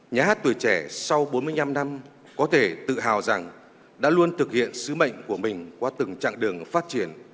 nhà hát tuổi trẻ sau bốn mươi năm năm có thể tự hào rằng đã luôn thực hiện sứ mệnh của mình qua từng chặng đường phát triển